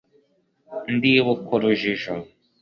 Ndibuka urujijo